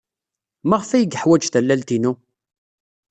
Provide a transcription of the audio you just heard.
Maɣef ay yeḥwaj tallalt-inu?